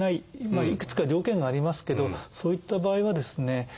まあいくつか条件がありますけどそういった場合はですね